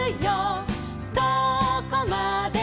どこまでも」